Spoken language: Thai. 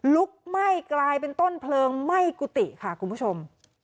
ลุกไหม้กลายเป็นต้นเพลิงไหม้กุฏิค่ะคุณผู้ชม